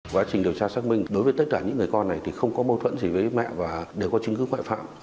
quá trình điều tra xác minh đối với tất cả những người con này không có mâu thuẫn gì với mẹ và đều có chính cứu ngoại phạm